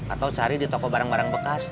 atau cari di toko barang barang bekas